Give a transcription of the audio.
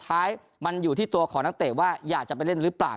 ท้ายมันอยู่ที่ตัวของนักเตะว่าอยากจะไปเล่นหรือเปล่า